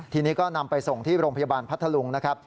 ทีนี้ก็นำไปส่งที่โรงพยาบาลพัทธลุงนะครับ